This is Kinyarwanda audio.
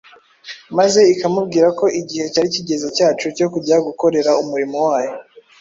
maze ikamubwira ko igihe cyari kigeze cyacu cyo kujya gukorera umurimo wayo